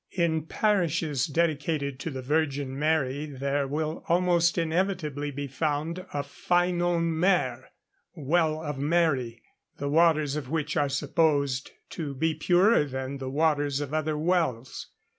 In parishes dedicated to the Virgin Mary there will almost inevitably be found a Ffynon Mair, (Well of Mary,) the waters of which are supposed to be purer than the waters of other wells.